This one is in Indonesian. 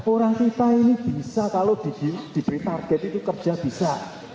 orang kita ini bisa kalau diberi target itu kerja bisa